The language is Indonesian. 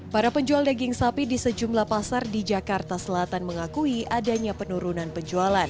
para penjual daging sapi di sejumlah pasar di jakarta selatan mengakui adanya penurunan penjualan